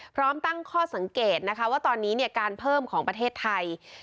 พร้อมตั้งข้อสังเกตนะคะว่าตอนนี้การเพิ่มของประเทศไทย